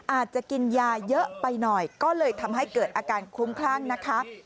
อาจจะกินยาเยอะไปหน่อยก็เลยทำให้เกิดอาการคลุ้มคลั่งนะคะ